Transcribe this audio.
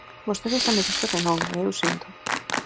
Vostede xa me dixo que non, e eu síntoo.